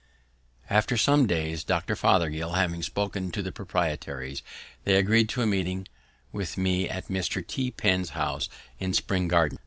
After some days, Dr. Fothergill having spoken to the proprietaries, they agreed to a meeting with me at Mr. T. Penn's house in Spring Garden.